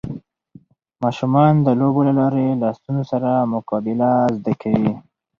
ماشومان د لوبو له لارې له ستونزو سره مقابله زده کوي.